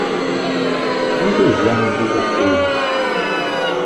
Anda yella ubugaṭu-inu?